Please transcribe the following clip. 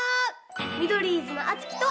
ミドリーズのあつきと。